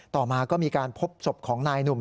ต่อมาก็มีการพบศพของนายหนุ่ม